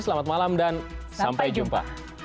selamat malam dan sampai jumpa